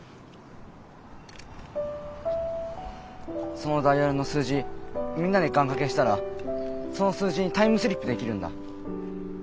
そのダイヤルの数字みんなで願かけしたらその数字にタイムスリップできるんだ。